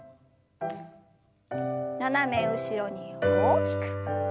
斜め後ろに大きく。